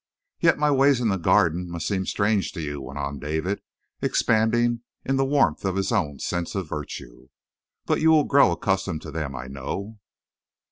"Yet my ways in the Garden must seem strange to you," went on David, expanding in the warmth of his own sense of virtue. "But you will grow accustomed to them, I know."